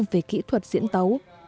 về kỹ thuật diễn tấu